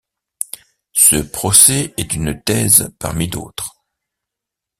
Ce procès est une thèse parmi d’autres.